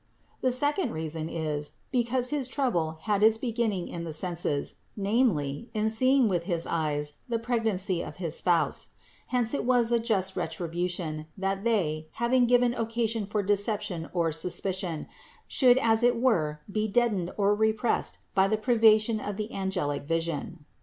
The second reason is, because his trouble had its beginning in the senses, namely in seeing with his eyes the pregnancy of his Spouse ; hence it was a just retribution, that they, having given occa sion for deception or suspicion, should as it were be dead ened or repressed by the privation of the angelic vision.